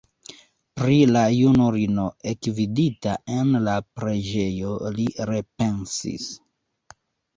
Pri la junulino ekvidita en la preĝejo li repensis.